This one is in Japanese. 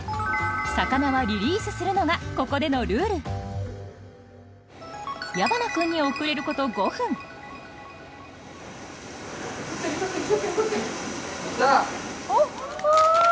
魚はリリースするのがここでのルール矢花君に遅れること５分来た！